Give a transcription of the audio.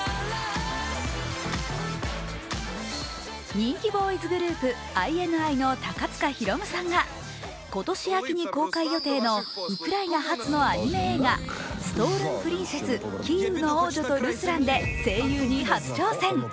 人気ボーイズグループ、ＩＮＩの高塚大夢さんが今年秋に公開予定のウクライナ発のアニメ映画「ストールンプリンセス：キーウの王女とルスラン」で声優に初挑戦。